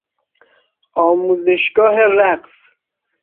آموزشگاه رقص